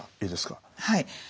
はい。